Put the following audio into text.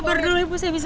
sabar dulu ibu saya bisa